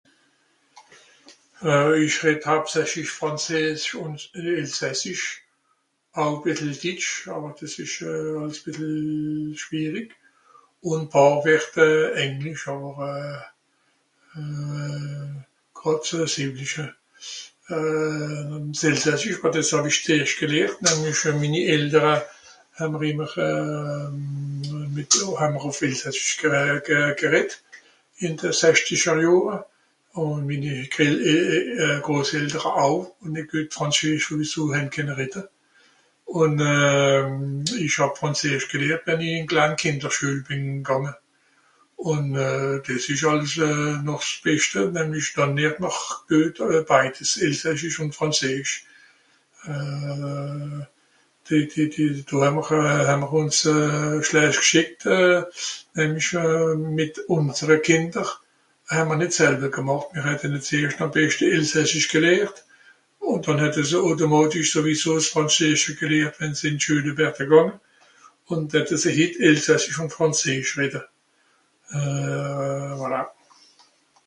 Euh ìch redd hauptsächlich frànzeesch ùn elsassisch. Au e Bìssel ditsch àwer dìs ìsch àls bìssel schìerig, ùn au (...) Englisch àwer euh... gràd so simplische. Euh... s'Elsassisch, bah dìs hàw-ìch zeerscht gelehrt, nämlich minni Eltere hàà'mr ìmmer euh... mìt... hàà'mr ùf elsassisch euh... ge...ge... gereddt, ìn de sechzischer Johre. Ùn minni é...é...é...Groseltere au, ùn nìt guet frànzeesch sowieso hän kenne redde. Ùn euh... ìch hàb frànzeesch gelehrt, wenn i ìn d'klein Kìnderschuel bìn gànge. Ùn euh... dìs ìsch àls noch s'Beschte, denn ìch kànn ìmmer guet beides elsassisch ùn frànzeesch. Euh... d...d...d...do haa'mr, haa'mr ùns euh... schlecht (...), nämlich euh... mìt ùnsere Kìnder, haa'mr nìt selwe gemàcht. Mìr hätte ne zeerscht àm beschte elsasssich gelehrt, ùn dànn hätte se automàtisch sowieso s'Frànzeesche gelehrt wenn se ìn d'Schuel wäre gànge, ùn dätte se hitt elsassisch ùn frànzeesch redde. Euh... voilà.